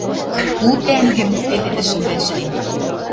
У тӓнгӹм — пеледӹшӹм вӓшлин